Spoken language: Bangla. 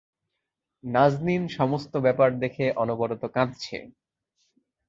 নাজনীন সমস্ত ব্যাপার দেখে অনবরত কাঁদছে।